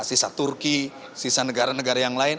sisa turki sisa negara negara yang lain